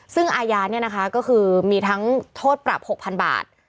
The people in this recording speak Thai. ซึ่งอาญาเนี่ยนะคะก็คือมีทั้งโทษปรับ๖๐๐๐บาท